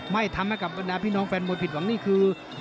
ไม่ทำให้กับบรรดาพี่น้องแฟนมวยผิดหวังนี่คือ